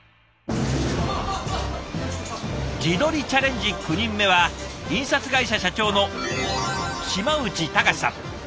自撮りチャレンジ９人目は印刷会社社長の嶋内崇さん。